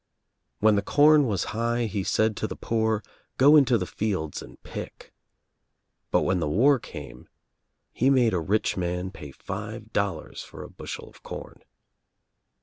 When the corn was high he said to the poor, 'go into the fields and pick' but when the war came he made a rich man pay five dollars for a bushel of corn."